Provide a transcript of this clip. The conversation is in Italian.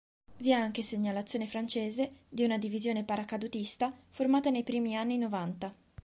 Vi è anche segnalazione francese di una divisione paracadutista formata nei primi anni Novanta.